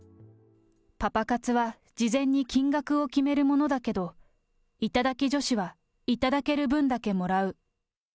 パパ活は事前に金額を決めるものだけど、頂き女子は頂ける分だけもらう。